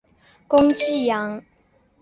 攻济阳。